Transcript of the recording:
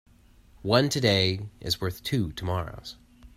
One today is worth two tomorrows.